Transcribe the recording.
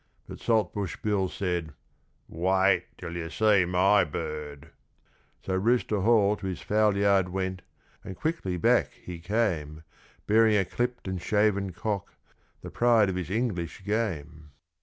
But Saltbush Bill said, 'Wait till you see my bird!' So Rooster Hall to his fowlyard went, and quickly back he came, Bearing a clipt and a shaven cock, the pride of his English Game.